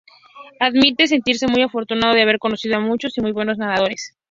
Admite sentirse muy afortunado de haber conocido a muchos y muy buenos nadadores.